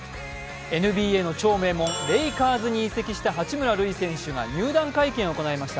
ＮＢＡの超名門レイカーズに入団した八村塁選手が入団会見を行いました。